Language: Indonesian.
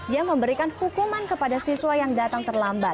yang memberikan hukuman kepada siswa yang datang terlambat